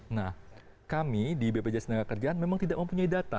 nah kami di bpjs tk memang tidak mempunyai data